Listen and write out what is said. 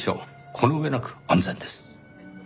この上なく安全です。